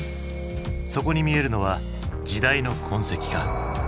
そこに見えるのは時代の痕跡か？